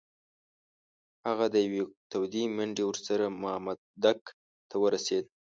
هغه د یوې تودې منډې وروسته مامدک ته ورسېد.